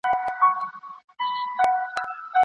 د جګړې ډګر ډېر بوږنوونکي منظرې لري.